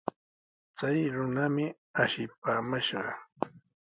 Chay runami ashipaamashqa.